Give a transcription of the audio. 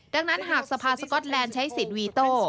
ดังนั้นหากสภาสก๊อตแลนด์ใช้สิทธิ์วีโต้